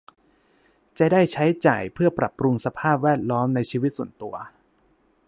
จะได้ใช้จ่ายเพื่อปรับปรุงสภาพแวดล้อมในชีวิตส่วนตัว